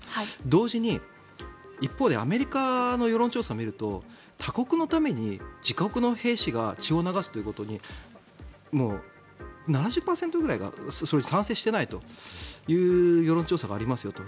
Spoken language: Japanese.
同時に一方でアメリカの世論調査を見ると他国のために自国の兵士が血を流すということに７０％ぐらいが賛成していないという世論調査がありますよと。